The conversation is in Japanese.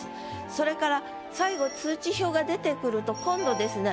それから最後「通知表」が出てくると今度ですね